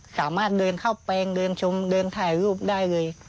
สามารถเดินเข้าแปลงเดินชมเดินถ่ายรูปได้เลย